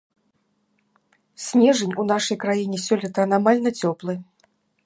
Снежань у нашай краіне сёлета анамальна цёплы.